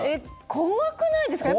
怖くないですか？